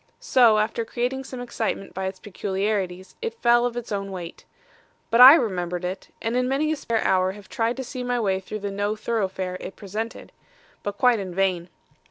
So after creating some excitement by its peculiarities, it fell of its own weight. But I remembered it, and in many a spare hour have tried to see my way through the no thoroughfare it presented. But quite in vain.